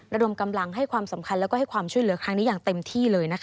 ระดมกำลังให้ความสำคัญแล้วก็ให้ความช่วยเหลือครั้งนี้อย่างเต็มที่เลยนะคะ